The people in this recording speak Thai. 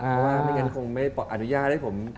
เพราะว่าไม่งั้นคงไม่อนุญาตให้ผม